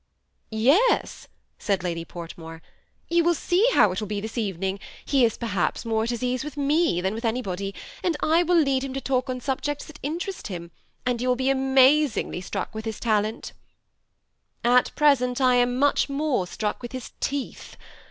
"Yes," said Lady Portmore, "you will see how it will be this evening; he is perhaps more at his ease with me, than with anybody, and I will lead him to talk on subjects that interest him, and you will be amazingly struck with his talent" THE SEMI ATTACHED COUPLE. 165 " At present I am more struck with his teeth.